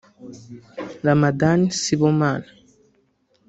Ramathan Sibomana